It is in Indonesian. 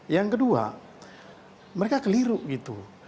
yang kedua mereka keliru gitu